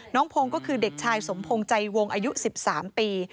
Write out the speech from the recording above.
พงศ์ก็คือเด็กชายสมพงศ์ใจวงอายุ๑๓ปี